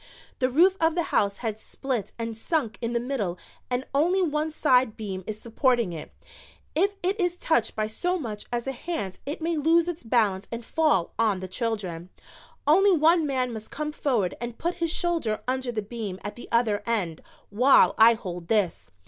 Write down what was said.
"The roof of the house has split and sunk in the middle and only one side beam is supporting it. If it is touched by so much as a hand it may lose its balance and fall on the children. Only one man must come forward and put his shoulder under the beam at the other end while I hold this.